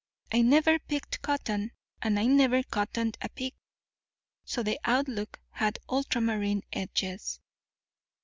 I never picked cotton, and I never cottoned to a pick, so the outlook had ultramarine edges.